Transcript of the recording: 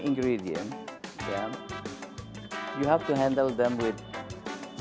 ini adalah bahan premium